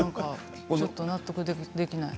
ちょっと納得できない。